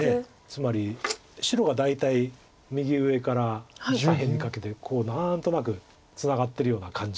つまり白が大体右上から左辺にかけて何となくツナがってるような感じ。